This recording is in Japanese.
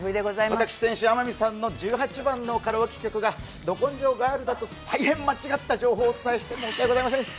私先週、天海さんの十八番の曲が「ど根性ガエル」だと大変間違った情報をお伝えして申し訳ございませんでした。